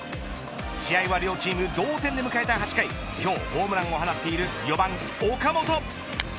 試合は両チーム同点で迎えた８回今日ホームランを放っている４番岡本。